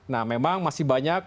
nah memang masih banyak